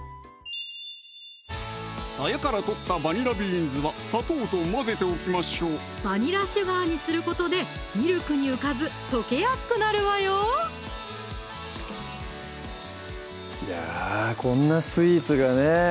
さやから取ったバニラビーンズは砂糖と混ぜておきましょうバニラシュガーにすることでミルクに浮かず溶けやすくなるわよいやこんなスイーツがね